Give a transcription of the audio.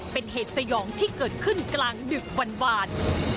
เป็นเหตุสยองที่เกิดขึ้นกลางดึกวัน